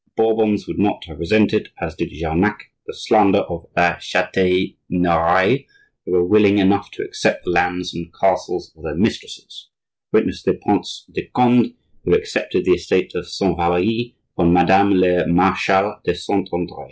The Bourbons would not have resented, as did Jarnac, the slander of la Chataigneraie; they were willing enough to accept the lands and castles of their mistresses,—witness the Prince de Conde, who accepted the estate of Saint Valery from Madame la Marechale de Saint Andre.